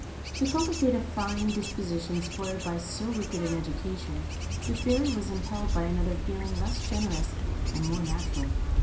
To cultivate a fine disposition spoiled by so wicked an education, the Fairy was impelled by another feeling less generous and more natural.